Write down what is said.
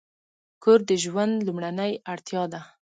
کور د ژوند لومړنۍ اړتیا ده.